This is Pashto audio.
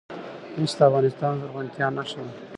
مس د افغانستان د زرغونتیا نښه ده.